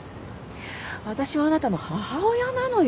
私はあなたの母親なのよ。